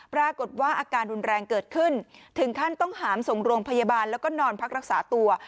ปรากฏว่าอาการรุนแรงเกิดขึ้นถึงขั้นต้องหามส่งโรงพยาบาลแล้วก็นอนพักรักษาตัว